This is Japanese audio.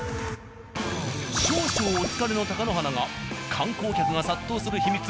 少々お疲れの貴乃花が観光客が殺到する秘密